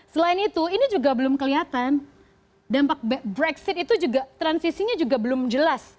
selain itu ini juga belum kelihatan dampak brexit itu juga transisinya juga belum jelas